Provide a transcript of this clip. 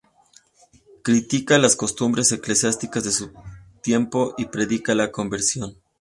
Critica las costumbres eclesiásticas de su tiempo y predica la conversión.